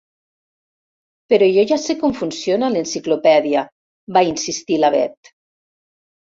Però jo ja sé com funciona l'enciclopèdia —va insistir la Bet—.